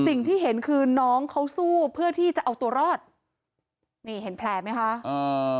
สิ่งที่เห็นคือน้องเขาสู้เพื่อที่จะเอาตัวรอดนี่เห็นแผลไหมคะอ่า